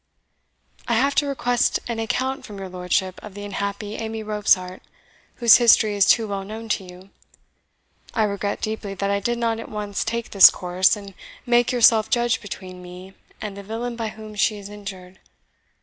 I have to request an account from your lordship of the unhappy Amy Robsart, whose history is too well known to you. I regret deeply that I did not at once take this course, and make yourself judge between me and the villain by whom she is injured.